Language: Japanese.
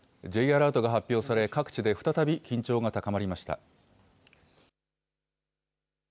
Ｊアラートが発表され、各地で緊張が高まりました。